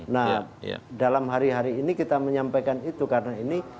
nah dalam hari hari ini kita menyampaikan itu karena ini